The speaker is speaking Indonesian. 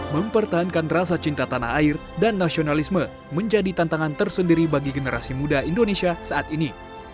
mempertahankan rasa cinta tanah air dan nasionalisme menjadi tantangan tersendiri bagi generasi muda indonesia saat ini